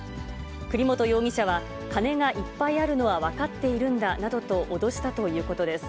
栗本容疑者は、金がいっぱいあるのは分かっているんだなどと脅したということです。